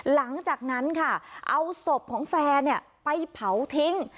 หลังจากนั้นค่ะเอาศพของแฟนไปเผาทิ้ง